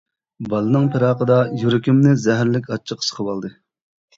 بالىنىڭ پىراقىدا يۈرىكىمنى زەھەرلىك ئاچچىق سىقىۋالدى.